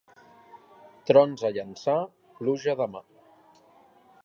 Trons a Llançà, pluja demà.